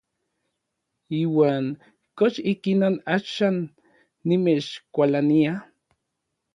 Iuan ¿kox ikinon axan nimechkualania?